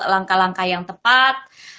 langkah langkah yang tepat